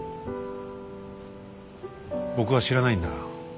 僕は知らないんだ。